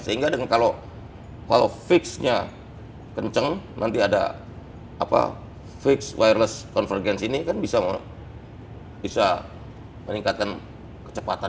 sehingga kalau fixnya kenceng nanti ada fix wireless convergence ini kan bisa meningkatkan kecepatan